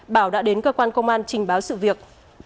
bảo đã đến cơ quan công an trình báo sự việc